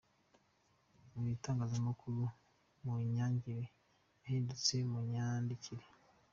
Mu itangazamakuru munyangire yahindutse munyandikire.